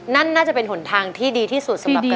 นั่นน่าจะเป็นหนทางที่ดีที่สุดสำหรับ